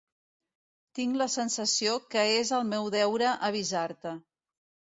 Tinc la sensació que és el meu deure avisar-te.